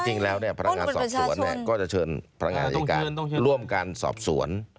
จริงแล้วพนักงานสอบสวนก็จะเชิญพนักงานอายการร่วมกันสอบสวน